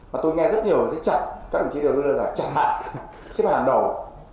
và tôi nghe rất nhiều người nói chặt các đồng chí đều đưa ra là chặt hạ xếp hàng đầu